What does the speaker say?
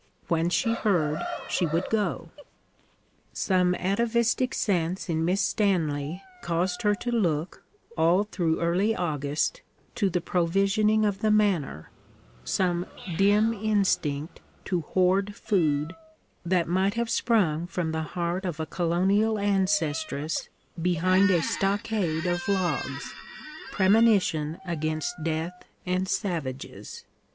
When she heard, she would go. Some atavistic sense in Miss Stanley caused her to look, all through early August, to the provisioning of the manor some dim instinct to hoard food, that might have sprung from the heart of a colonial ancestress behind a stockade of logs: premonition against death and savages.